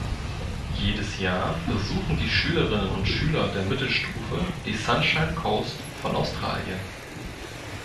Jedes Jahr besuchen die Schülerinnen und Schüler der Mittelstufe die Sunshine Coast von Australien.